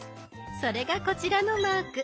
それがこちらのマーク。